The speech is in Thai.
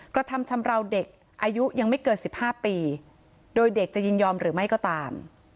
กระทำชำราวเด็กอายุยังไม่เกิน๑๕ปีโดยเด็กจะยินยอมหรือไม่ก็ตาม